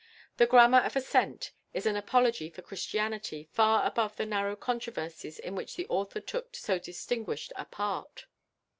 The "Grammar of Assent" is an apology for Christianity, far above the narrow controversies in which the author took so distinguished a part.